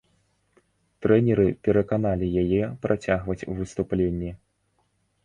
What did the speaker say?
Трэнеры пераканалі яе працягваць выступленні.